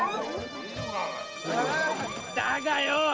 だがよ